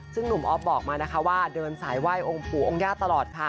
ซึ่งหนุ่มออฟบอกมานะคะว่าเดินสายไหว้องค์ปู่องค์ย่าตลอดค่ะ